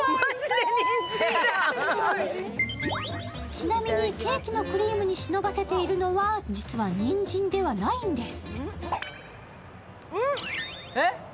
ちなみにケーキのクリームに忍ばせているのは実は、にんじんではないんです。